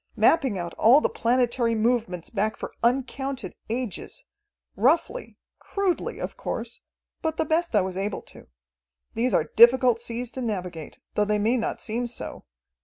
Mapping out all the planetary movements back for uncounted ages roughly, crudely, of course, but the best I was able to. These are difficult seas to navigate, though they may not seem so.